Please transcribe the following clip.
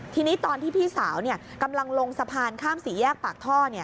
ทีนี้ตอนที่พี่สาวกำลังลงสะพานข้ามสี่แยกปากท่อ